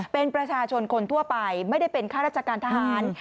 เป็นประชาชนคนทั่วไปไม่ได้เป็นข้าราชการทหาร